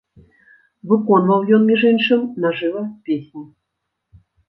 Выконваў ён, між іншым, на жыва песні.